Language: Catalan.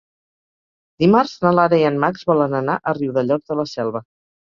Dimarts na Lara i en Max volen anar a Riudellots de la Selva.